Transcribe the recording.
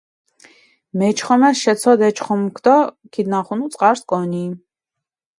მეჩხომეს შეცოდჷ ე ჩხომქ დო ქიდნახუნუ წყარს კონი.